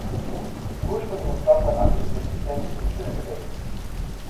Die ursprünglich im Stadtteil angesiedelten Zechen sind stillgelegt.